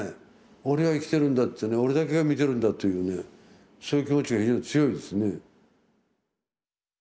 「俺は生きてるんだ」って「俺だけが見るんだ」というねそういう気持ちが非常に強いですね。